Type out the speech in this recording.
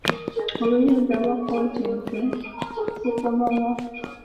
Obuyinza bwa kkooti ento bukoma wa?